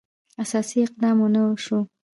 اساسي اقدام ونه شو.